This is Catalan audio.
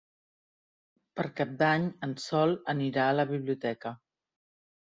Per Cap d'Any en Sol anirà a la biblioteca.